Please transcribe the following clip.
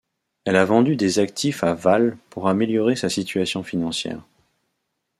Elle a vendu des actifs à Vale pour améliorer sa situation financière.